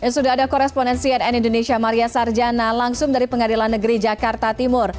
sudah ada koresponen cnn indonesia maria sarjana langsung dari pengadilan negeri jakarta timur